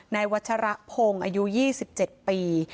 วัชระพงศ์อายุ๒๗ปี